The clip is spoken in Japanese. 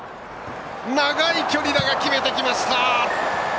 長い距離だが決めてきました！